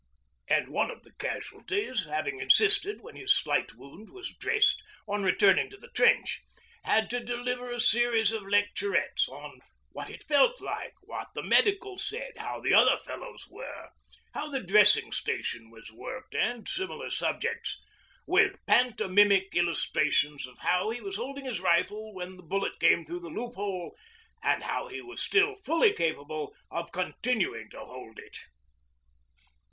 And one of the casualties, having insisted, when his slight wound was dressed, on returning to the trench, had to deliver a series of lecturettes on what it felt like, what the Medical said, how the other fellows were, how the dressing station was worked, and similar subjects, with pantomimic illustrations of how he was holding his rifle when the bullet came through the loophole, and how he was still fully capable of continuing to hold it.